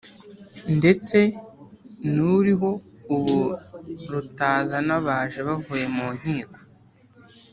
ndetse ni uriho ubu Rutazana baje bavuye mu nkiko